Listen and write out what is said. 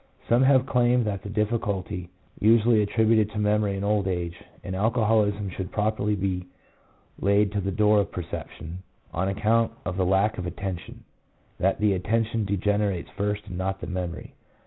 Some have claimed that the difficulty usually attri buted to memory in old age and alcoholism should properly be laid to the door of perception, on account of the lack of attention; 3 that the attention degener ates first and not the memory.